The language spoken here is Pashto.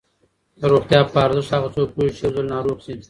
د روغتیا په ارزښت هغه څوک پوهېږي چې یو ځل ناروغ شي.